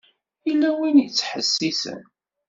Yella win i d-ittḥessisen.